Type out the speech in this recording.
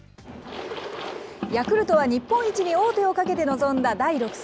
ヤクルトは日本一に王手をかけて臨んだ第６戦。